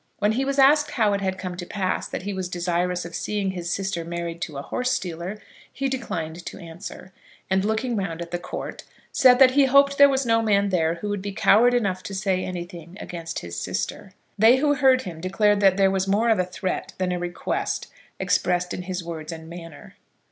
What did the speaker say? When he was asked how it had come to pass that he was desirous of seeing his sister married to a horse stealer, he declined to answer, and, looking round the Court, said that he hoped there was no man there who would be coward enough to say anything against his sister. They who heard him declared that there was more of a threat than a request expressed in his words and manner.